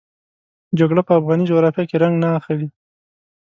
جګړه په افغاني جغرافیه کې رنګ نه اخلي.